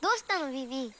ビビ。